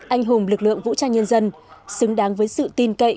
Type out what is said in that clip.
anh hùng lực lượng vũ trang nhân dân xứng đáng với sự tin cậy